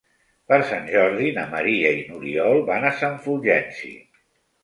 Per Sant Jordi na Maria i n'Oriol van a Sant Fulgenci.